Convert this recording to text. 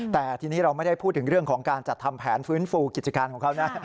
แต่ทีนี้เราไม่ได้พูดถึงเรื่องของการจัดทำแผนฟื้นฟูกิจการของเขานะ